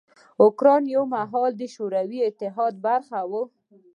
اوکراین یو مهال د شوروي اتحاد برخه وه.